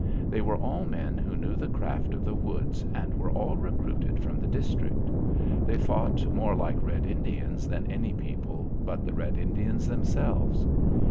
They were all men who knew the craft of the woods and were all recruited from the district. They fought more like red Indians than any people but the red Indians themselves.